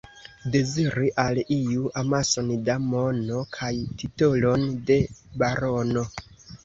Deziri al iu amason da mono kaj titolon de barono.